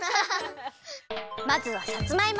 まずはさつまいも！